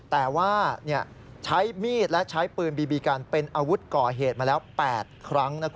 แต่ว่าใช้มีดและใช้ปืนบีบีกันเป็นอาวุธก่อเหตุมาแล้ว๘ครั้ง